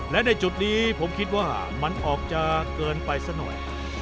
และในจุดนี้ผมคิดว่ามันออกจะเกินไปซะหน่อย